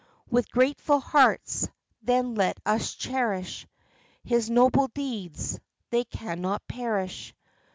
With grateful hearts, then, let us cherish His noble deeds; they cannot perish.